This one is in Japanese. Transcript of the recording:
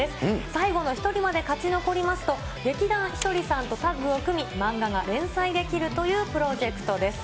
最後の１人まで勝ち残りますと、劇団ひとりさんとタッグを組み、漫画が連載できるというプロジェクトです。